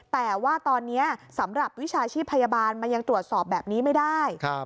แต่ว่าตอนนี้สำหรับวิชาชีพพยาบาลมันยังตรวจสอบแบบนี้ไม่ได้